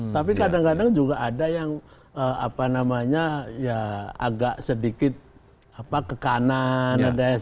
tapi kadang kadang juga ada yang agak sedikit ke kanan